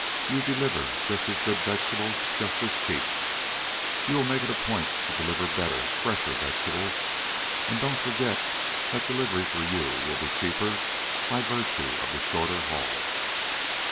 You'll deliver just as good vegetables just as cheap; you will make it a point to deliver better, fresher vegetables; and don't forget that delivery for you will be cheaper by virtue of the shorter haul.